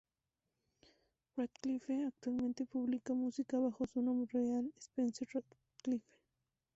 Radcliffe Actualmente publica música bajo su nombre real, Spencer Radcliffe.